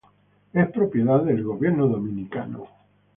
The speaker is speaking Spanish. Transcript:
Es propiedad del Gobierno dominicano.